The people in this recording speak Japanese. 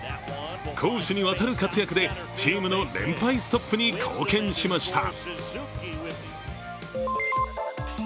攻守にわたる活躍でチームの連敗ストップに貢献しました。